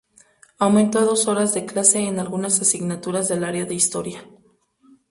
Aumento a dos horas de clase en algunas asignaturas del área de Historia.